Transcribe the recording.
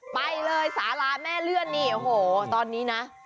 ไปเลยสาราแม่เลื่อนนี่โอ้โหตอนนี้นะ